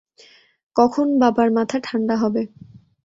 কখন বাবার মাথা ঠাণ্ডা হবে।